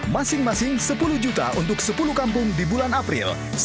masing masing sepuluh juta untuk sepuluh kampung di bulan april